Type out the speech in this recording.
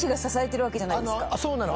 そうなの。